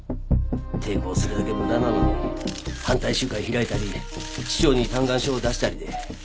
抵抗するだけ無駄なのに反対集会開いたり市長に嘆願書を出したりで。